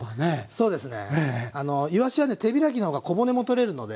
そうですね。